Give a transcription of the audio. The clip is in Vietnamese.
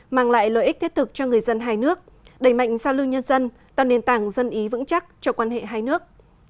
mang lại lợi ích thiết thực cho người dân hai nước đẩy mạnh giao lưu nhân dân tạo nền tảng dân ý vững chắc cho quan hệ hai nước